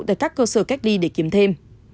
tại các cơ sở cách đi để kiếm thêm